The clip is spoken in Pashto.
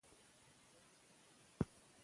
که یووالی وي، نو جګړه به ودریږي.